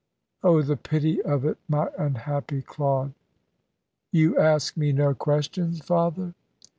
"Oh, the pity of it, my unhappy Claude!" "You ask me no questions, Father?"